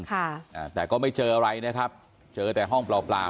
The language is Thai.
อ่าแต่ก็ไม่เจออะไรนะครับเจอแต่ห้องเปล่าเปล่า